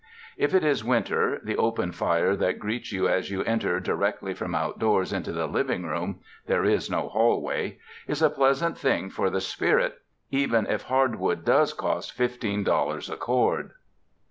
If it is winter, the open fire that greets you as you enter directly from outdoors into the living room — there is no hallway — is a pleasant thing for the spirit, even if hardwood does cost fifteen dollars a cord.